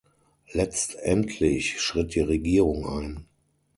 Letztendlich schritt die Regierung ein.